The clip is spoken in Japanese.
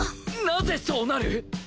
なぜそうなる！？